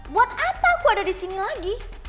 buat apa aku ada di sini lagi